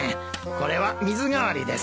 これは水がわりです。